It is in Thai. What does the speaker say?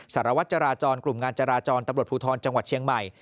สารวัตรจราจรกลุ่มงานจราจรตำรวจภูทรจังหวัดเชียงใหม่